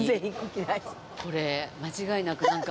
これ間違いなくなんか。